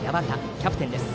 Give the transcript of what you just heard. キャプテンです。